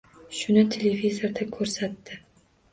Shuni televizorda ko‘rsatdi.